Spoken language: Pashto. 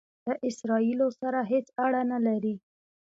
له اسراییلو سره هیڅ اړه نه لري.